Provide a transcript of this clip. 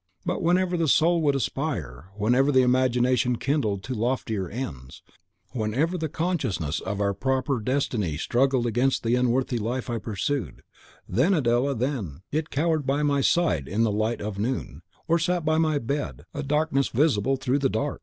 But whenever the soul would aspire, whenever the imagination kindled to the loftier ends, whenever the consciousness of our proper destiny struggled against the unworthy life I pursued, then, Adela then, it cowered by my side in the light of noon, or sat by my bed, a Darkness visible through the Dark.